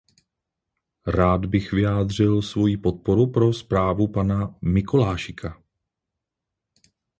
Rád bych vyjádřil svoji podporu pro zprávu pana Mikolášika.